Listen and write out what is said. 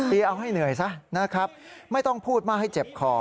เอาให้เหนื่อยซะนะครับไม่ต้องพูดมากให้เจ็บคอ